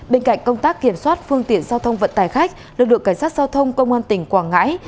bên cạnh công tác kiểm soát phương tiện giao thông vận tải khách lực lượng cảnh sát giao thông công an tỉnh quảng ngãi